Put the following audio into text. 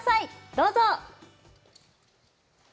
どうぞ！